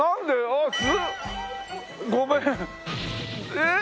えっ